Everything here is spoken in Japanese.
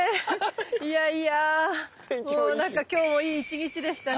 いやいやもうなんか今日もいい１日でしたね。